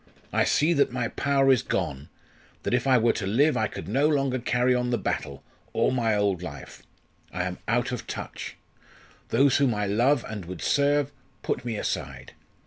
I see that my power is gone that if I were to live I could no longer carry on the battle or my old life. I am out of touch. Those whom I love and would serve, put me aside.